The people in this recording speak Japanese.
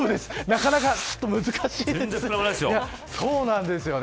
なかなか、ちょっと難しいです。